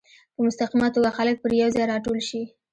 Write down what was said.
په مستقیمه توګه خلک پر یو ځای راټول شي.